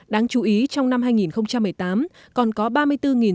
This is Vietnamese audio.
đáng chú ý trong năm hai nghìn một mươi tám còn có ba mươi bốn doanh nghiệp